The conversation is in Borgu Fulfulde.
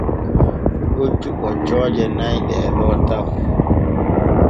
Hoccu ɓoccooɗe nay ɗeeɗo taw.